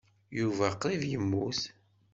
Yuba qrib yemmut.